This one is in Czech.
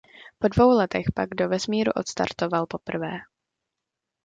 Po dvou letech pak do vesmíru odstartoval poprvé.